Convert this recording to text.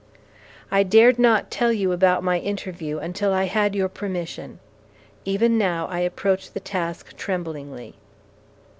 I dared not tell you about my interview until I had your permission. Even now, I approach the task tremblingly.